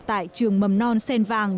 tại trường mầm non xen vàng